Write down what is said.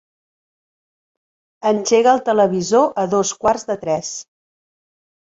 Engega el televisor a dos quarts de tres.